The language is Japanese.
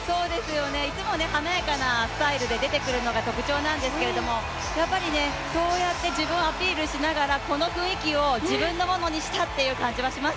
いつも華やかなスタイルで出てくるのが特徴なんですけどやっぱりそうやって自分をアピールしながらこの雰囲気を自分のものにしたっていう感じはします。